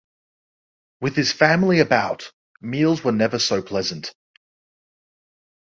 With his family about, meals were never so pleasant.